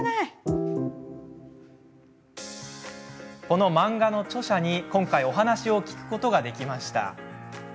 この漫画の著者に、今回お話を聞くことができました。